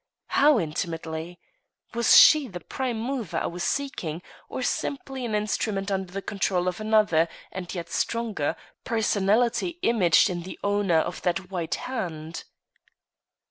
How intimately? Was she the prime mover I was seeking, or simply an instrument under the control of another, and yet stronger, personality imaged in the owner of that white hand?